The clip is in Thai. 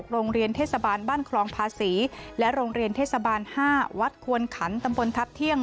โรงเรียนเทศบาลบ้านคลองภาษีและโรงเรียนเทศบาล๕วัดควนขันตำบลทัพเที่ยง